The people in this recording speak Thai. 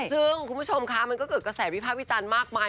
ซึ่งคุณผู้ชมคะมันก็เกิดกระแสวิภาพวิจารณ์มากมาย